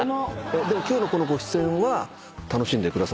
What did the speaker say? でも今日のこのご出演は楽しんでくださってますか？